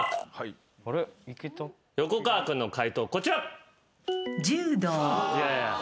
横川君の解答こちら。